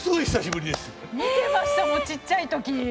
見てましたもんちっちゃい時。